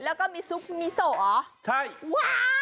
แล้วก็มีซุปมิโซเหรอ